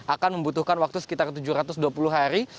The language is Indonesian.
akan membutuhkan waktu sekitar tujuh ratus dua puluh hari